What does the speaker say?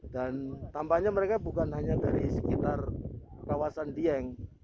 dan tambahnya mereka bukan hanya dari sekitar kawasan dieng